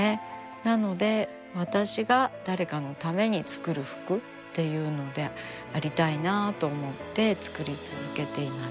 なので私が誰かのために作る服っていうのでありたいなと思って作り続けています。